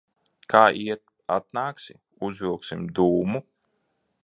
Kā iet? Atnāksi, uzvilksim dūmu?